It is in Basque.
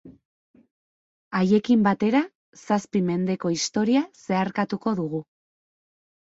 Haiekin batera, zazpi mendeko historia zeharkatuko dugu.